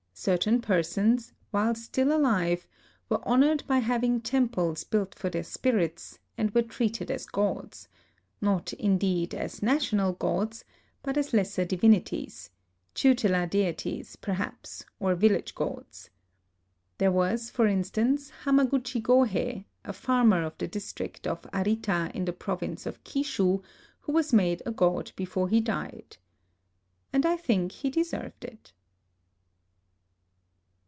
Certain persons, while still alive, were hon ored by having temples built for their spirits, and were treated as gods ; not, indeed, as national gods, but as lesser divinities, — tute lar deities, perhaps, or village gods. There was, for instance, Hamaguchi Gohei, a farmer of the district of Arita in the province of Kishu, who was made a god before he died. And I think he deserved it.